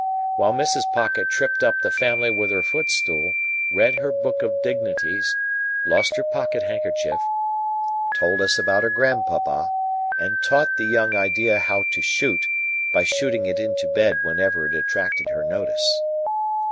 While Mrs. Pocket tripped up the family with her footstool, read her book of dignities, lost her pocket handkerchief, told us about her grandpapa, and taught the young idea how to shoot, by shooting it into bed whenever it attracted her notice.